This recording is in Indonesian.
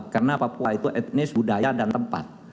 karena papua itu etnis budaya dan tempat